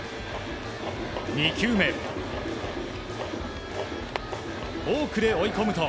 ２球目、フォークで追い込むと。